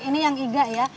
ini yang iga ya